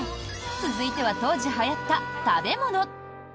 続いては当時、はやった食べ物。